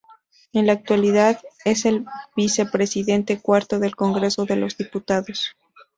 En la actualidad, es el Vicepresidente Cuarto del Congreso de los Diputados.